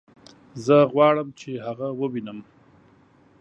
زه غواړم چې هغه ووينم